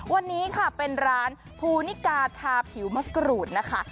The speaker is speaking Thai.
วันนี้ค่ะเป็นร้านภูนิกาชาผิวมะกรูดนะคะ